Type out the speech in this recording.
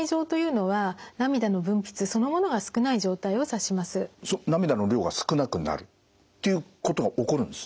あのまずそのうち涙の量が少なくなるっていうことが起こるんですね。